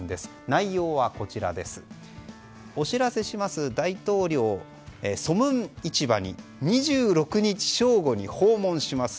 内容ですが、お知らせします大統領、ソムン市場に２６日正午に訪問します。